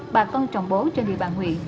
bà con trồng bố trên địa bàn huyện